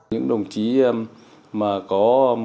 những đồng chí mà có